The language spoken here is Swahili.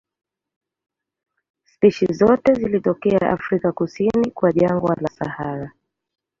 Spishi zote zinatokea Afrika kusini kwa jangwa la Sahara.